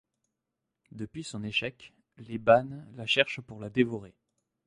Depuis son échec, les Bane la cherche pour la dévorer.